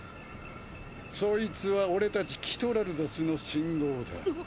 そいつは俺たちキトラルザスの信号だ。